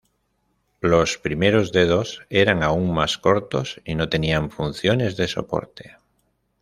Los primeros dedos eran aún más cortos y no tenían funciones de soporte.